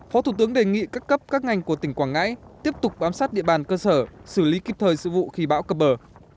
phó thủ tướng đề nghị các cấp các ngành của tỉnh quảng ngãi tiếp tục bám sát địa bàn cơ sở xử lý kịp thời sự vụ khi bão cập bờ